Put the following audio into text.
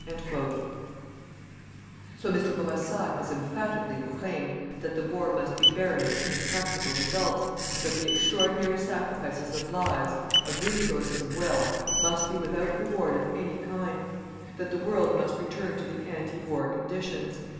_" So Mr. Bourassa has emphatically proclaimed that the war must be barren of any practical results, that the extraordinary sacrifices of lives, of resources of wealth, must be without reward of any kind; that the world must return to the ante war conditions.